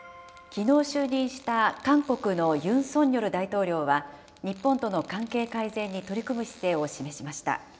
きのう就任した、韓国のユン・ソンニョル大統領は、日本との関係改善に取り組む姿勢を示しました。